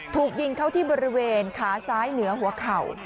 ถูกยิงเข้าที่บริเวณขาซ้ายเหนือหัวเข่า